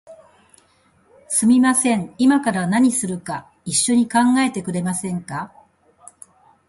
すみません、いまから何するか一緒に考えてくれませんか？